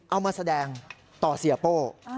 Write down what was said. เอามาแสดงต่อเสียโป้